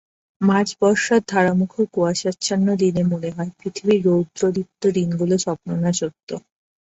মাঝ-বর্ষার ধারামুখর কুয়াশাচ্ছন্ন দিনে মনে হয় যে পৃথিবীর রৌদ্রদীপ্ত দিনগুলো স্বপ্ন না সত্য?